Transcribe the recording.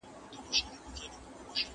ادبي ابتکار پکې روان دی.